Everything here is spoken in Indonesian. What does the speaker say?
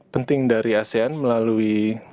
penting dari asean melalui